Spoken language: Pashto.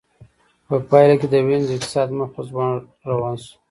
په پایله کې د وینز اقتصاد مخ په ځوړ روان شو